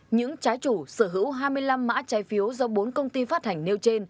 những trái chủ sở hữu hai mươi năm mã trái phiếu do bốn công ty phát hành nêu trên